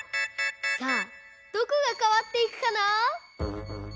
さあどこがかわっていくかな？